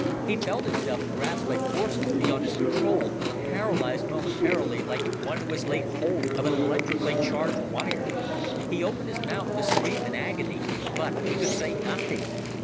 He felt himself grasped by forces beyond his control, paralyzed momentarily like one who has laid hold of an electrically charged wire. He opened his mouth to scream in agony, but he could say nothing.